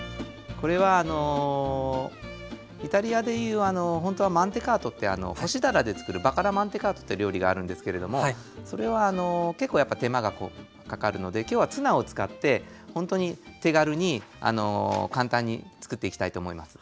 これはあのイタリアでいうほんとはマンテカートって干しダラでつくるバカラマンテカートって料理があるんですけれどもそれは結構やっぱ手間がかかるので今日はツナを使ってほんとに手軽に簡単につくっていきたいと思います。